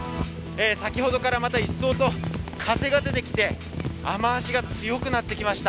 先ほどからまた一層と風が出てきて、雨足が強くなってきました。